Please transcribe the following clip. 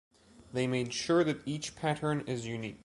They made sure that each pattern is unique.